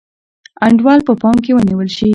انډول په پام کې ونیول شي.